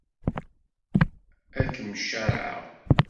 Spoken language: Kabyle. Ad kem-caṛɛeɣ.